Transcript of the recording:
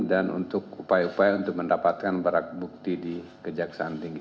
dan untuk upaya upaya untuk mendapatkan barang bukti di kejaksaan tinggi